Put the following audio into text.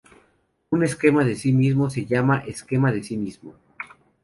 Un esquema de sí mismo se llama "esquema de sí mismo".